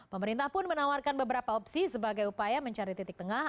pemerintah pun menawarkan beberapa opsi sebagai upaya mencari titik tengah